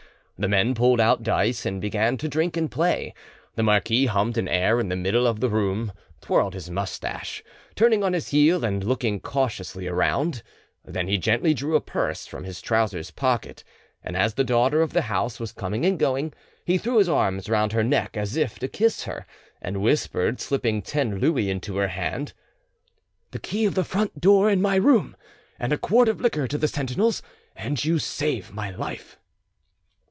The men pulled out dice and began to drink and play. The marquis hummed an air in the middle of the room, twirled his moustache, turning on his heel and looking cautiously around; then he gently drew a purse from his trousers pocket, and as the daughter of the house was coming and going, he threw his arms round her neck as if to kiss her, and whispered, slipping ten Louis into her hand— "The key of the front door in my room, and a quart of liquor to the sentinels, and you save my life."